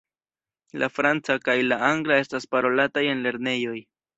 La franca kaj la angla estas parolataj en lernejoj.